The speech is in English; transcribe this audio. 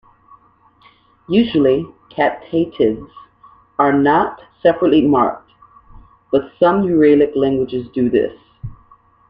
Usually captatives are not separately marked, but some Uralic languages do this.